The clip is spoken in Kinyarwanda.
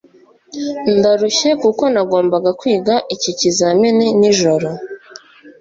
Ndarushye kuko nagombaga kwiga iki kizamini nijoro.